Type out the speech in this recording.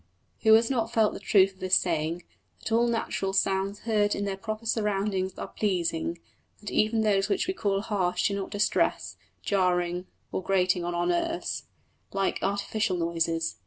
Who has not felt the truth of this saying, that all natural sounds heard in their proper surroundings are pleasing; that even those which we call harsh do not distress, jarring or grating on our nerves, like artificial noises!